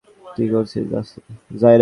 কি করছিস, জ্যাসি?